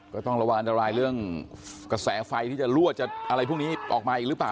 ก็ต้องระวังอันตรายเรื่องกระแสไฟที่จะรั่วจะอะไรพวกนี้ออกมาอีกหรือเปล่า